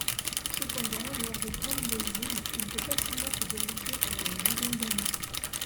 Cependant, lors de grands millésimes, il peut facilement se bonifier pendant une dizaine d’années.